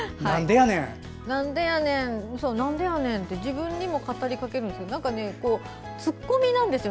なんでやねんって自分にも語りかけるんですけどツッコミなんですよ